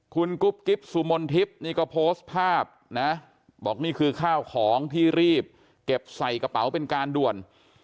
คุณกุ๊บกิ๊บสุมนทิพย์นี่ก็โพสต์ภาพนะบอกนี่คือข้าวของที่รีบเก็บใส่กระเป๋าเป็นการด่วน